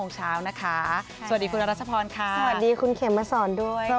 สวัสดีคุณเขมมาสอนด้วยค่ะ